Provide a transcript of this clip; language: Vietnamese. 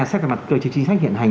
xét về mặt cơ chế chính sách hiện hành